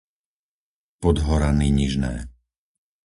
Podhorany Nižné